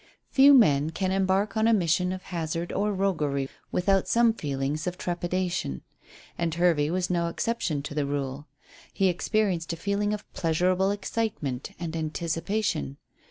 Few men can embark on a mission of hazard or roguery without some feelings of trepidation. And Hervey was no exception to the rule. He experienced a feeling of pleasurable excitement and anticipation.